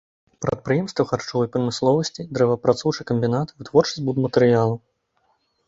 Прадпрыемствы харчовай прамысловасці, дрэваапрацоўчы камбінат, вытворчасць будматэрыялаў.